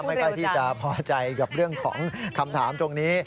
ไม่ค่อยที่จะพอใจกับเรื่องของคำถามตรงนี้